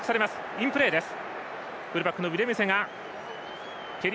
インプレーです。